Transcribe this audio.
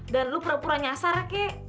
dan lo pura pura nyasar ya kek